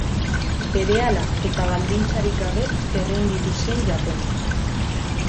Berehala eta baldintzarik gabe errenditu zen Japonia.